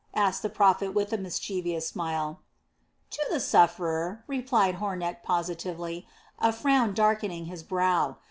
asked the prophet with a mischievous smile. "To the sufferer," replied Hornecht positively, a frown darkening his brow.